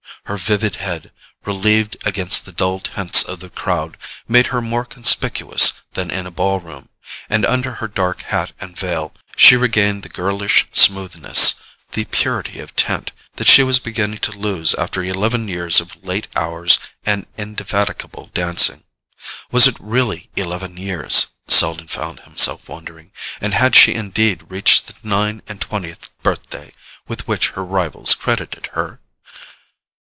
Her vivid head, relieved against the dull tints of the crowd, made her more conspicuous than in a ball room, and under her dark hat and veil she regained the girlish smoothness, the purity of tint, that she was beginning to lose after eleven years of late hours and indefatigable dancing. Was it really eleven years, Selden found himself wondering, and had she indeed reached the nine and twentieth birthday with which her rivals credited her?